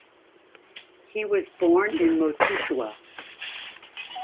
He was born in Motootua.